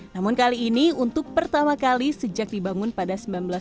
namun kali ini untuk pertama kali sejak dibangun pada seribu sembilan ratus sembilan puluh